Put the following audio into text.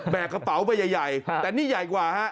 กระเป๋าไปใหญ่แต่นี่ใหญ่กว่าฮะ